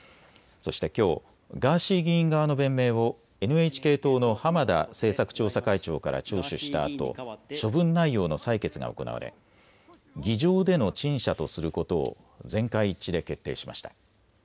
そしてきょう、ガーシー議員側の弁明をＮＨＫ党の浜田政策調査会長から聴取したあと処分内容の採決が行われ、議場での陳謝とすることを全会一致で決定しました。